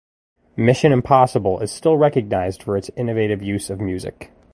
"Mission: Impossible" is still recognized for its innovative use of music.